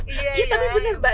iya tapi benar mbak